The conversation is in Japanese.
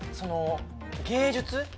芸術？